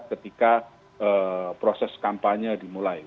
jadi kita tidak bisa mencoba untuk mencapai nama yang secara elektabilitas